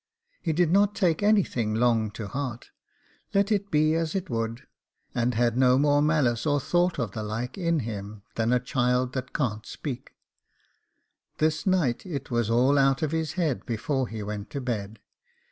He did not take anything long to heart, let it be as it would, and had no more malice or thought of the like in him than a child that can't speak; this night it was all out of his head before he went to his bed.